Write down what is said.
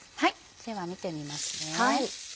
では見てみますね。